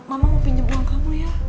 mama mau pinjam uang kamu ya